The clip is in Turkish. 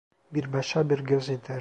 Bir başa bir göz yeter.